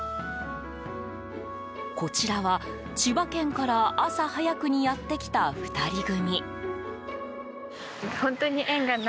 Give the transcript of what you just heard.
こちらは、千葉県から朝早くにやってきた２人組。